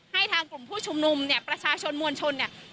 ให้ทางกลุ่มผู้ชุมนุมเนี่ยประชาชนมวลชนเนี่ย